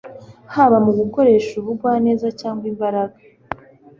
haba mu gukoresha ubugwaneza cyangwa imbaraga;